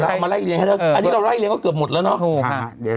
เรามาไร้เลียนให้อันนี้เราร่ายเรียงก็เกือดหมดแล้วเนอะ